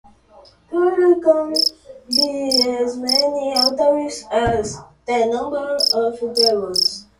There can be as many altars as the number of Tabots.